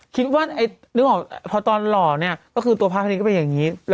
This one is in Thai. คิดว่าไอ้นึกออกพอตอนหล่อเนี่ยก็คือตัวพระอภัยมันนี่ก็เป็นอย่างนี้